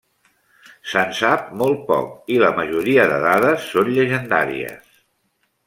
Se'n sap molt poc, i la majoria de dades són llegendàries.